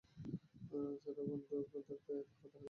ছেলেরা বন্দুক থাকতে এতো হাতাহাতি কেন করে?